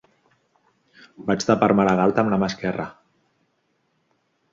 Vaig tapar-me la galta amb la mà esquerra